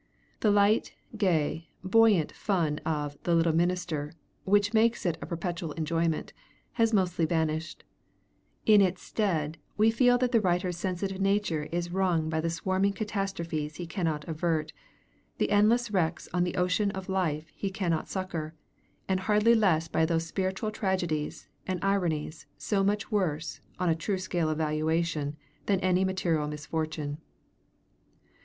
The light, gay, buoyant fun of 'The Little Minister,' which makes it a perpetual enjoyment, has mostly vanished; in its stead we feel that the writer's sensitive nature is wrung by the swarming catastrophes he cannot avert, the endless wrecks on the ocean of life he cannot succor, and hardly less by those spiritual tragedies and ironies so much worse, on a true scale of valuation, than any material misfortune.